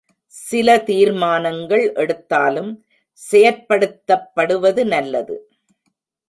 சில தீர்மானங்கள் எடுத்தாலும், செயற்படுத்தப்படுவது நல்லது.